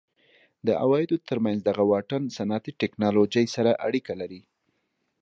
د عوایدو ترمنځ دغه واټن صنعتي ټکنالوژۍ سره اړیکه لري.